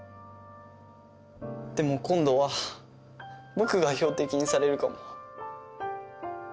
でも今度は僕が標的にされるかも